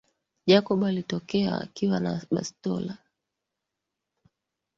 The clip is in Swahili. Jacob alitokea akiwa na bastola mbli